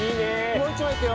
もう一枚いくよ！